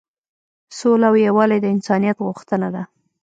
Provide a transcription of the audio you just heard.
سوله او یووالی د انسانیت غوښتنه ده.